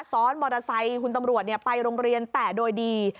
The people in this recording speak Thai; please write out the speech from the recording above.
ซ้อนมอเตอร์ไซค์คุณตำรวจไปโรงเรียนแต่โดยดี